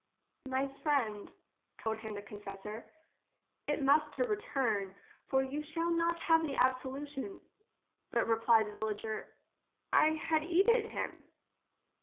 " My friend, told him the con fessor, it must to return, or you shall not have the absolution. — But repply the villager, I had eated him.